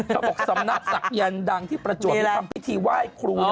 เขาบอกสำนักศักดิ์ยันทร์ดังที่ประจวบมีความพิธีไหว้ครู